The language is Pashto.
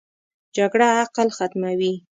جګړه عقل ختموي